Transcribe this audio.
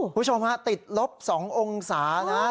คุณผู้ชมฮะติดลบ๒องศานะ